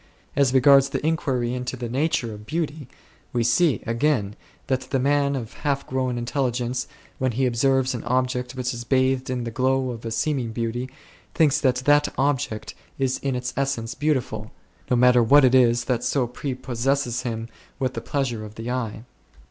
As regards the inquiry into the nature of beauty, we see, again, that the man of half grown intelligence, when he observes an object which is bathed in the glow of a seeming beauty, thinks that that object is in its essence beautiful, no matter what it is that so prepossesses him with the pleasure of the eye.